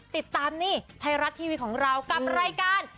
ติดตามนี่ไทยรัฐทีวีของเรากับรายการ